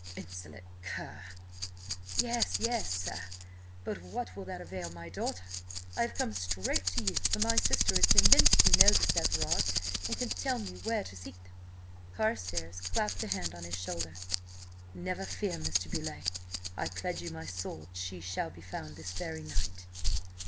"— insolent cur!" "Yes, yes, sir! But what will that avail my daughter? I have come straight to you, for my sister is convinced you know this Everard, and can tell me where to seek them!" Carstares clapped a hand on his shoulder. "Never fear, Mr. Beauleigh! I pledge you my word she shall be found this very night!"